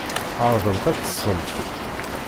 Ɛerḍemt ad teṭṭsemt.